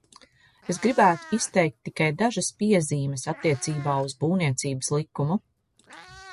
Es gribētu izteikt tikai dažas piezīmes attiecībā uz Būvniecības likumu.